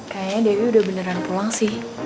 kayaknya dewi udah beneran pulang sih